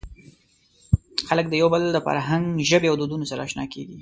خلک د یو بل د فرهنګ، ژبې او دودونو سره اشنا کېږي.